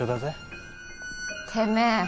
てめえ！